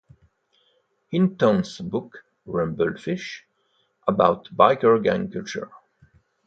Hinton's book "Rumble Fish", about biker gang culture.